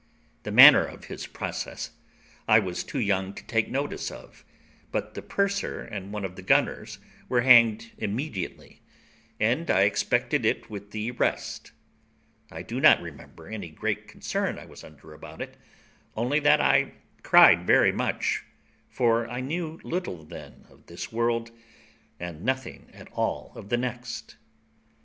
The manner of his process I was too young to take notice of; but the purser and one of the gunners were hanged immediately, and I expected it with the rest. I do not remember any great concern I was under about it, only that I cried very much, for I knew little then of this world, and nothing at all of the next.